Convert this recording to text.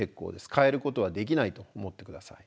変えることはできないと思って下さい。